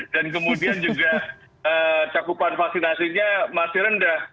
dan kemudian juga cakupan vaksinasinya masih rendah